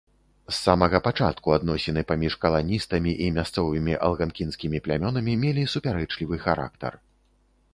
З самога пачатку адносіны паміж каланістамі і мясцовымі алганкінскімі плямёнамі мелі супярэчлівы характар.